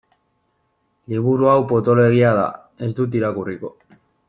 Liburu hau potoloegia da, ez dut irakurriko.